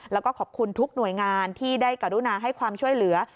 แล้วก็ขอบคุณทุกหน่วยงานที่ได้กรุณาให้ความช่วยเหลือ